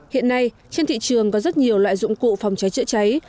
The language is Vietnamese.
hiện nay trên thị trường có rất nhiều loại dụng cụ phòng cháy chữa cháy